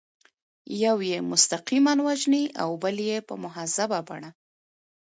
یو یې مستقیماً وژني او بل یې په مهذبه بڼه.